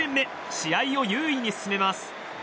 試合を優位に進めます。